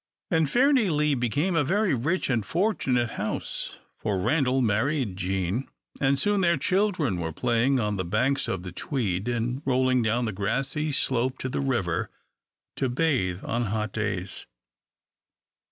And Fairnilee became a very rich and fortunate house, for Randal married Jean, and soon their children were playing on the banks of the Tweed, and rolling down the grassy slope to the river, to bathe on hot days.